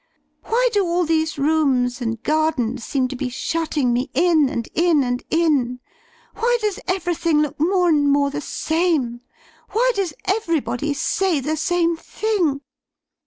Why do all these rooms and gardens seem to be shutting me in and in and in? Why does everything look more and more the same? Why does everybody say the same thing?